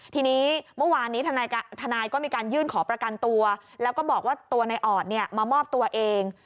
ทีนี้เมื่อวานนี้ทนายก็มีการยื่นขอประกันตัวแล้วก็บอกว่าตัวในออดเนี่ยมามอบตัวเอง